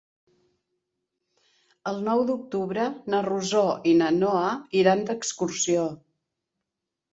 El nou d'octubre na Rosó i na Noa iran d'excursió.